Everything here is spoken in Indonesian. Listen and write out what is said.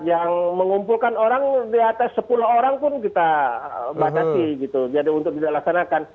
yang mengumpulkan orang di atas sepuluh orang pun kita batasi gitu jadi untuk dilaksanakan